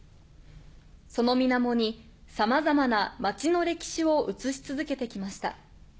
その水面にさまざまな街の歴史を映し続けてきました。